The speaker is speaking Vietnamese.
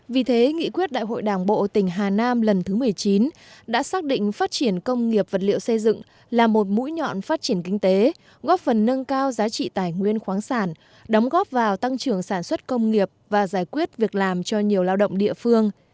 vì thế nghị quyết đại hội đảng bộ tỉnh hà nam lần thứ một mươi chín đã xác định phát triển công nghiệp vật liệu xây dựng là một mũi nhọn phát triển kinh tế góp phần nâng cao giá trị tài nguyên khoáng sản đóng góp vào tăng trưởng sản xuất công nghiệp và giải quyết việc làm cho nhiều lao động địa phương